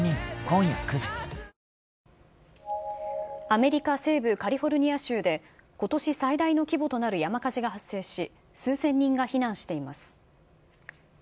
アメリカ西部カリフォルニア州で、ことし最大の規模となる山火事が発生し、数千人が避難しています。